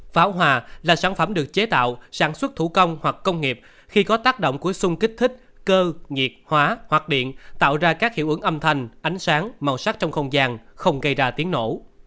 pháo hòa là sản phẩm được chế tạo sản xuất thủ công hoặc công nghiệp khi có tác động của sung kích thích cơ nhiệt hóa hoặc điện tạo ra các hiệu ứng âm thanh ánh sáng màu sắc trong không gian không gây ra tiếng nổ